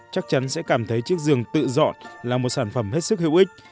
chắc chắn sẽ cảm thấy chiếc giường tự chọn là một sản phẩm hết sức hữu ích